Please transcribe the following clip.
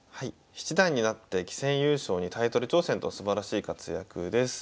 七段になって棋戦優勝にタイトル挑戦とすばらしい活躍です。